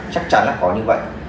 chắc chắn là có như vậy